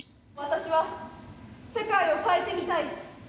私は世界を変えてみたい。